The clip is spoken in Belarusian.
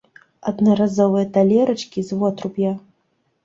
Аднаразовыя талерачкі з вотруб'я!